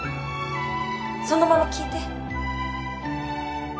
そのまま聞いて。